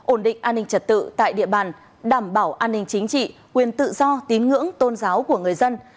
ổn định an ninh trật tự tại địa bàn đảm bảo an ninh chính trị quyền tự do tín ngưỡng tôn giáo của người dân